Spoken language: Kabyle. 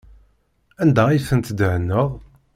Anda ay ten-tdehneḍ?